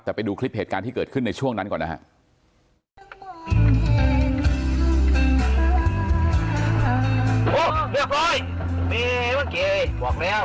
แต่ไปดูคลิปเหตุการณ์ที่เกิดขึ้นในช่วงนั้นก่อนนะฮะ